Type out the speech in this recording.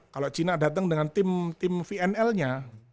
kalau cina datang dengan tim vnl nya